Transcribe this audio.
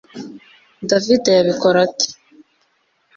David yabikora ate